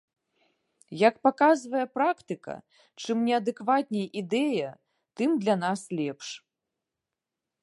Як паказвае практыка, чым неадэкватней ідэя, тым для нас лепш.